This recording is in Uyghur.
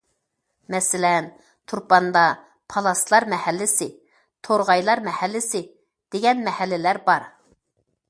مەسىلەن: تۇرپاندا‹‹ پالاسلار مەھەللىسى››،‹‹ تورغايلار مەھەللىسى›› دېگەن مەھەللىلەر بار.